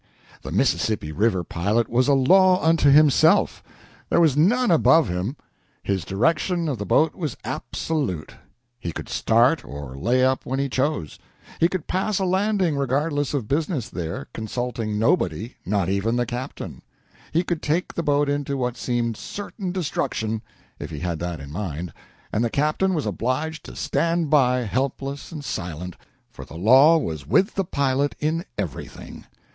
The Mississippi River pilot was a law unto himself there was none above him. His direction of the boat was absolute; he could start or lay up when he chose; he could pass a landing regardless of business there, consulting nobody, not even the captain; he could take the boat into what seemed certain destruction, if he had that mind, and the captain was obliged to stand by, helpless and silent, for the law was with the pilot in everything.